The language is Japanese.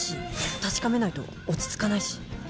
確かめないと落ち着かないし。